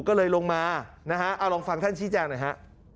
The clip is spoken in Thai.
ก็เลยลงมานะฮะเอาลองฟังท่านชี้แจงหน่อยฮะ